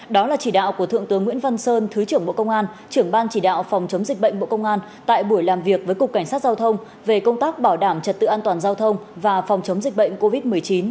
đó là chỉ đạo của thượng tướng nguyễn văn sơn thứ trưởng bộ công an trưởng ban chỉ đạo phòng chống dịch bệnh bộ công an tại buổi làm việc với cục cảnh sát giao thông về công tác bảo đảm trật tự an toàn giao thông và phòng chống dịch bệnh covid một mươi chín